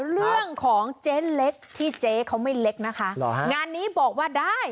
เรื่องของเจ๊เล็กที่เจ๊เขาไม่เล็กนะคะหรอฮะงานนี้บอกว่าได้